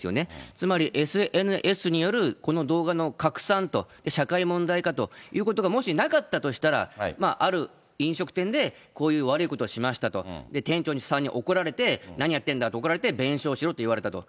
つまりＳＮＳによるこの動画の拡散と社会問題化ということがもしなかったとしたら、ある飲食店でこういう悪いことをしましたと、店長さんに怒られて、何やってんだって怒られて、弁償しろと言われたと。